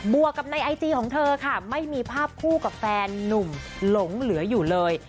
วกกับในไอจีของเธอค่ะไม่มีภาพคู่กับแฟนนุ่มหลงเหลืออยู่เลย